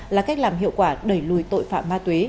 là cách làm hiệu quả đẩy lùi tội phạm ma túy